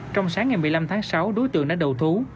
trong sáng ngày một mươi năm tháng sáu đối tượng đã đầu thú